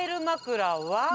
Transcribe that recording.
まくらは。